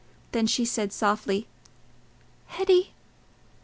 Then she said, softly, "Hetty!"